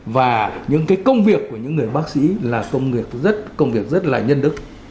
và những cái công việc của những người bác sĩ là công việc rất là nhân đức